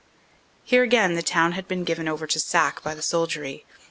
Here again the town had been given over to sack by the soldiery.